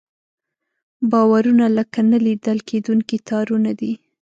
باورونه لکه نه لیدل کېدونکي تارونه دي.